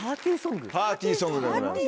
パーティーソングでございます。